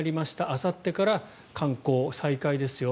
あさってから観光再開ですよ。